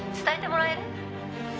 伝えてもらえる？